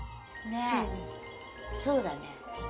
ねっそうだね。